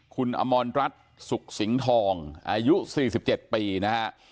คุณอมรรัฐสุขสิงห์ทองอายุ๔๗ปีนะฮะ